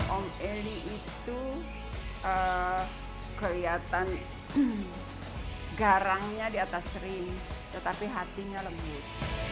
om eli itu kelihatan garangnya di atas ring tetapi hatinya lembut